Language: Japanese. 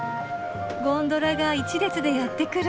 ゴンドラが一列でやってくる。